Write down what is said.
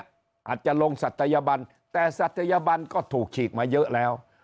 อาจจะลงศัตยบันแต่ศัตยบันก็ถูกฉีกมาเยอะแล้ว